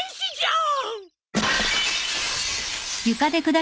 ん！？